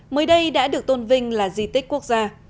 mới đây đã được tôn vinh là di tích quốc gia